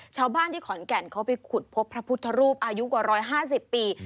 ชาวบ้านที่ขอนแก่นเขาไปขุดพบพระพุทธรูปอายุกว่า๑๕๐ปี